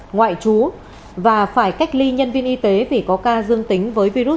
ngoại trú và phải cách ly nhân viên y tế vì có ca dương tính với virus